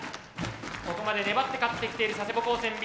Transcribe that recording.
ここまで粘って勝ってきている佐世保高専Ｂ。